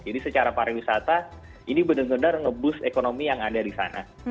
jadi secara pariwisata ini benar benar nge boost ekonomi yang ada di sana